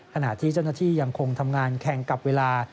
ขณะที่เจ้าหน้าที่ยังคงทำงานแข่งกับเวลา